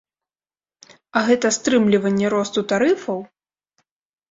А гэта стрымліванне росту тарыфаў!